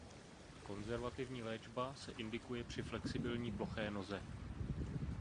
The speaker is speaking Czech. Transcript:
Konzervativní léčba se indikuje při flexibilní ploché noze.